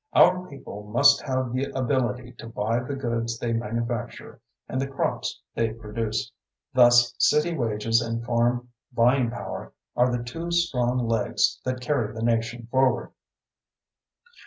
Our people must have the ability to buy the goods they manufacture and the crops they produce. Thus city wages and farm buying power are the two strong legs that carry the nation forward.